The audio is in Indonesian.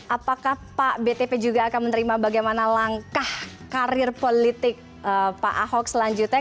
apakah pak btp juga akan menerima bagaimana langkah karir politik pak ahok selanjutnya